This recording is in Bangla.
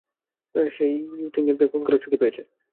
সেও ওই তিনজনকে খুন করার চুক্তি পেয়েছে, যেটা আনসারী তোমাকে দিয়েছে।